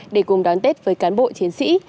để cùng đón tết với cán bộ chiến sĩ